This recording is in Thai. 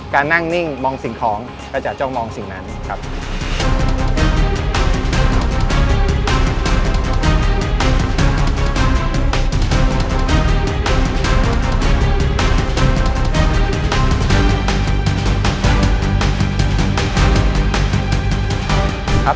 การนั่งนิ่งมองสิ่งของก็จะต้องมองสิ่งนั้นครับ